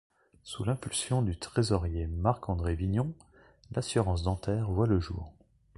Sous l'impulsion du trésorier Marc-André Vignon, l'assurance dentaire voit le jour.